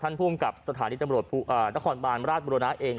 ท่านภูมิกับสถานีจำแบรนด์ราชบรรณาเอง